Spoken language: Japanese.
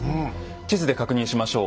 地図で確認しましょう。